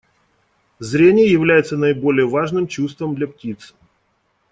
Зрение является наиболее важным чувством для птиц.